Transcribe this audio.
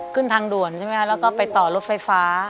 ขึ้นทางด่วนใช่ไหมคะแล้วก็ไปต่อรถไฟฟ้า